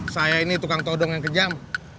saya ini tukang todong yang kejam